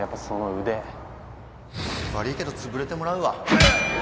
悪いけどつぶれてもらうわ